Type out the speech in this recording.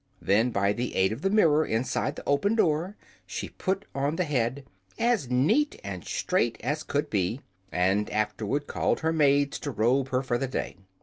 Then, by the aid of the mirror inside the open door, she put on the head as neat and straight as could be and afterward called her maids to robe her for the day.